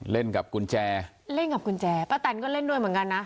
เล่นกับกุญแจเล่นกับกุญแจป้าแตนก็เล่นด้วยเหมือนกันนะ